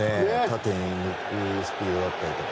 縦に抜くスピードだったり。